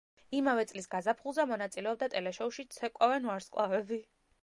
იმავე წლის გაზაფხულზე მონაწილეობდა ტელეშოუში „ცეკვავენ ვარსკვლავები“.